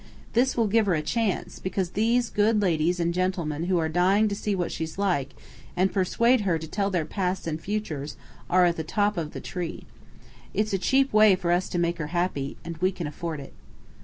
This will give her a chance, because these good ladies and gentlemen who are dying to see what she's like, and persuade her to tell their pasts and futures, are at the top of the tree. It's a cheap way for us to make her happy and we can afford it."